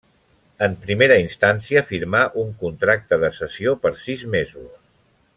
En primera instància firmà un contracte de cessió per sis mesos.